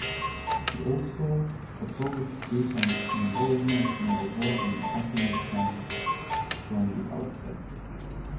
He also opposed Britain's involvement in the war in Afghanistan from the outset.